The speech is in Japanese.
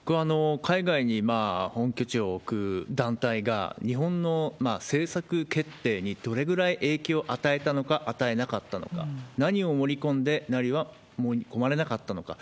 海外に本拠地を置く団体が、日本の政策決定にどれぐらい影響を与えたのか、与えなかったのか、何を盛り込んで、何は盛り込まれなかったのか。